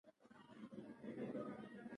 مؤلده ځواکونه تل د ودې په حال کې وي.